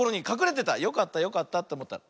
よかったよかったっておもったらあれ？